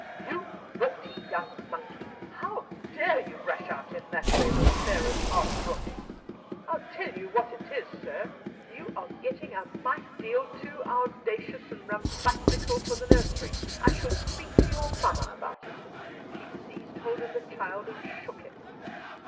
"You naughty young monkey! How dare you rush out in that way with Sarah's hearth broom? I'll tell you what it is, sir, you are getting a might deal too owdacious and rumbustical for the nursery. I shall speak to your mamma about it." She seized hold of the child and shook him.